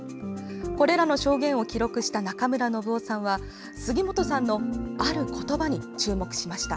これらの証言を記録した中村信雄さんは杉本さんのある言葉に注目しました。